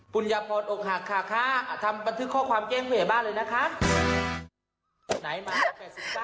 คุณยะพอร์ตอกหักค่ะค่ะทำบันทึกข้อความแจ้งผู้ใหญ่บ้านเลยนะคะ